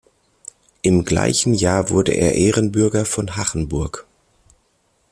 Im gleichen Jahr wurde er Ehrenbürger von Hachenburg.